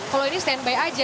kalau ini standby aja